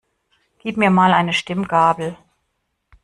Gib mir mal eine Stimmgabel.